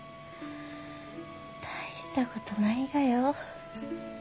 大したことないがよ。